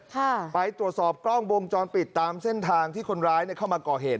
ค่ะไปตรวจสอบกล้องวงจรปิดตามเส้นทางที่คนร้ายเนี่ยเข้ามาก่อเหตุ